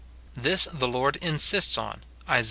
This the Lord insists on, Isa.